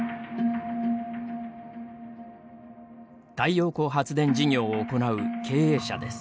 太陽光発電事業を行う経営者です。